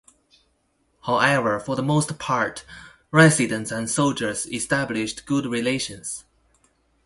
However, for the most part, residents and soldiers established good relations.